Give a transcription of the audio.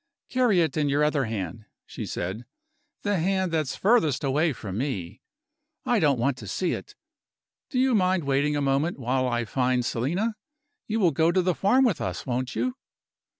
"Carry it in your other hand," she said "the hand that's furthest away from me. I don't want to see it! Do you mind waiting a moment while I find Selina? You will go to the farm with us, won't you?"